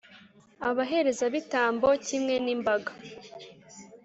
abaherezabitambo kimwe n’imbaga,